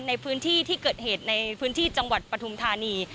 ในพื้นที่ที่เกิดเหตุในพื้นที่จังหวัดปฐุมธานี